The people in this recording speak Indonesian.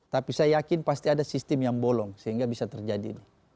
tapi saya yakin pasti ada sistem yang bolong sehingga bisa terjadi ini